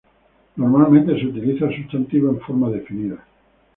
Normalmente se utiliza el sustantivo en forma definida.